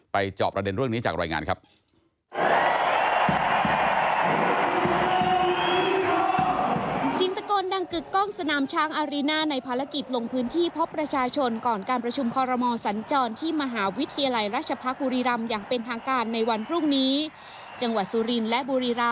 จอบประเด็นเรื่องนี้จากรายงานครับ